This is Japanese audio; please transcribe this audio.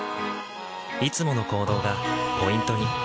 いつもの行動がポイントに。